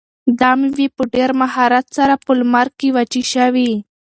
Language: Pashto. دا مېوې په ډېر مهارت سره په لمر کې وچې شوي.